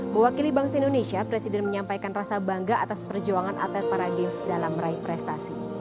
mewakili bangsa indonesia presiden menyampaikan rasa bangga atas perjuangan atlet para games dalam meraih prestasi